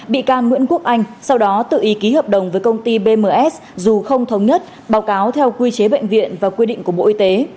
bị can nguyễn quốc anh sau đó tự ý ký hợp đồng với công ty bms dù không thống nhất báo cáo theo quy chế bệnh viện và quy định của bộ y tế